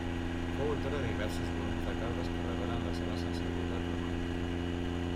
Fou autora de diversos volums de cartes que revelen la seva sensibilitat romàntica.